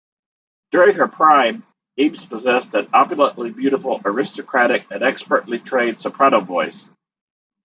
During her prime, Eames possessed an opulently beautiful, aristocratic and expertly trained soprano voice.